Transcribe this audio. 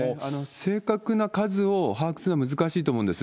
正確な数を把握するのは難しいと思うんです。